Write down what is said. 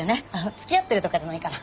つきあってるとかじゃないから。